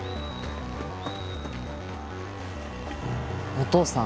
お父さん。